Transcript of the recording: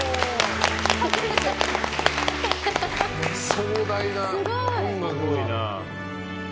壮大な音楽が。